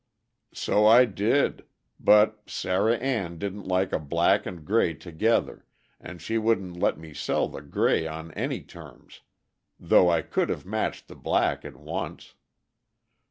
"So I did; but Sarah Ann didn't like a black and a gray together, and she wouldn't let me sell the gray on any terms, though I could have matched the black at once.